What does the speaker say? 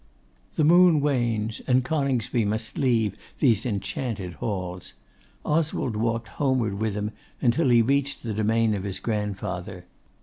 The moon wanes; and Coningsby must leave these enchanted halls. Oswald walked homeward with him until he reached the domain of his grandfather.